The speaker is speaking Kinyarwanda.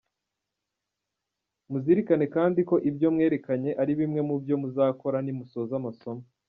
Muzirikane kandi ko ibyo mwerekanye ari bimwe mu byo muzakora nimusoza amasomo.